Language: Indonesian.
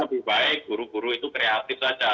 lebih baik guru guru itu kreatif saja